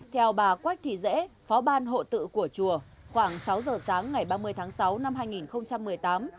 theo bà quách thị dễ phó ban hộ tự của chùa khoảng sáu giờ sáng ngày ba mươi tháng sáu năm hai nghìn một mươi tám